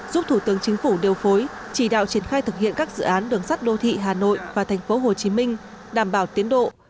giúp thủ tướng chính phủ điều phối chỉ đạo triển khai thực hiện các dự án đường sắt đô thị hà nội và tp hcm đảm bảo tiến độ